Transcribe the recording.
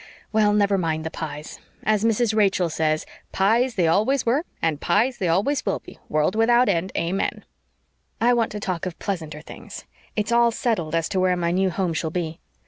Well, never mind the Pyes. As Mrs. Rachel says, 'Pyes they always were and Pyes they always will be, world without end, amen.' I want to talk of pleasanter things. It's all settled as to where my new home shall be."